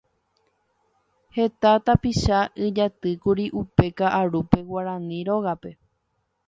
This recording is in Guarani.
Heta tapicha ijatýkuri upe kaʼarúpe Guarani Rógape.